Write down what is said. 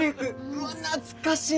うわ懐かしい！